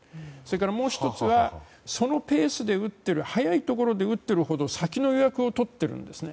もう１つは、そのペースで打っている早いところで打っているほど先の予約を取っているんですね。